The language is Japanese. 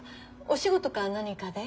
お仕事か何かで？